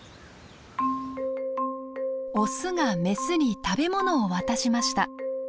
オスがメスに食べ物を渡しました。